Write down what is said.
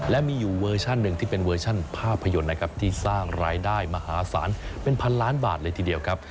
และมีอยู่เวอร์ชันหนึ่งที่เป็นเวอร์ชันภาพยนตร์นะครับที่สร้างรายได้มหาศาลเป็นพันล้านบาทเลยทีเดียวครับ